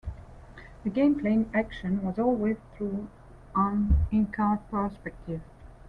The gameplay action was always through an in-car perspective.